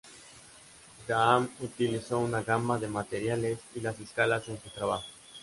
Graham utilizó una gama de materiales y las escalas en su trabajo.